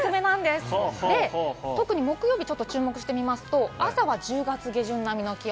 特に木曜日、注目してみますと、朝は１０月下旬並みの気温。